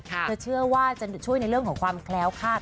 เพื่อช่วยในเรื่องของความแพร้วคาด